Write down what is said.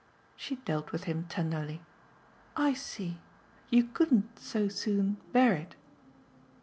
She dealt with him tenderly. "I see. You couldn't so soon bear it."